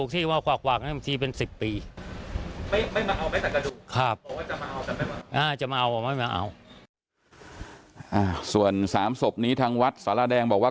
ส่วน๓ศพนี้ทางวัดสารแดงบอกว่า